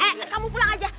eh kamu pulang aja